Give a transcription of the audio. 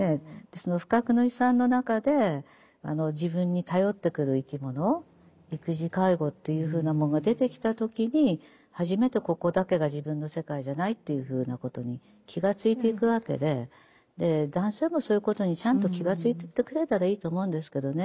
その不覚の違算の中で自分に頼ってくる生き物育児介護というふうなものが出てきた時に初めてここだけが自分の世界じゃないというふうなことに気がついていくわけで男性もそういうことにちゃんと気がついてってくれたらいいと思うんですけどね。